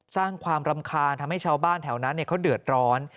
สร้างความรำคาญทำให้ชาวบ้านแถวนั้นเขาเดือดร้อน